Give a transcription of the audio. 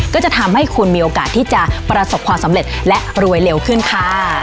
ก็จะทำให้คุณมีโอกาสที่จะประสบความสำเร็จและรวยเร็วขึ้นค่ะ